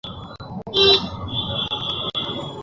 ধারণাই করতে পারবে না।